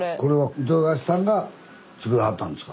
伊藤菓子さんが作らはったんですか？